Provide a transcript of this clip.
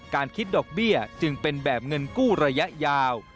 คิดดอกเบี้ยจึงเป็นแบบเงินกู้ระยะยาว